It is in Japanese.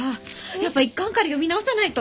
やっぱ１巻から読み直さないと！